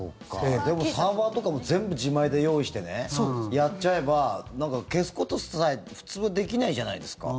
でもサーバーとかも全部自前で用意してやっちゃえば消すことさえ普通はできないじゃないですか。